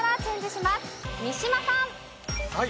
三島さん。